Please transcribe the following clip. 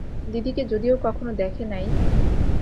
দিদিকে যদিও কখনও দেখে নাই।